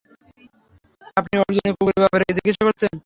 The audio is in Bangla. আপনি অর্জুনের কুকুরের ব্যাপারে জিজ্ঞেসা করছেন?